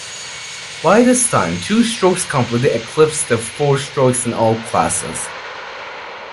By this time, two-strokes completely eclipsed the four-strokes in all classes.